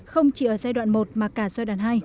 không chỉ ở giai đoạn một mà cả giai đoạn hai